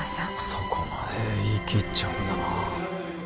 そこまで言い切っちゃうんだな